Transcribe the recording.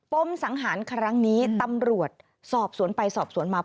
มสังหารครั้งนี้ตำรวจสอบสวนไปสอบสวนมา